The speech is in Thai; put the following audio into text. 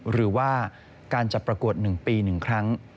หรือว่าการจัดประกวด๑ปี๑ครั้ง